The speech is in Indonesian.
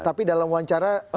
tapi dalam wawancara